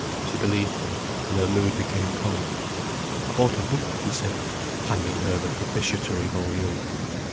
She believed him, and her mood became cold. "I bought a book," he said, handing her the propitiatory volume.